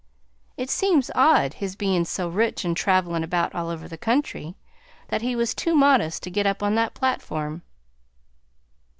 It seems odd, his bein' so rich and travelin' about all over the country, that he was too modest to git up on that platform."